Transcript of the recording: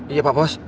iya pak bos